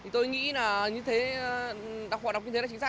tôi nghĩ là họ đọc như thế là chính xác